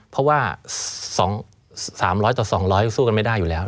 เพราะว่า๓๐๐ต่อ๒๐๐สู้กันไม่ได้อยู่แล้ว